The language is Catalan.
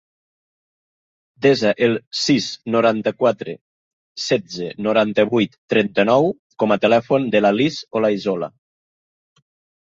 Desa el sis, noranta-quatre, setze, noranta-vuit, trenta-nou com a telèfon de la Lis Olaizola.